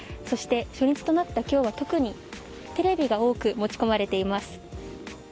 そして初日となった今日は特にテレビが多く持ち込まれています。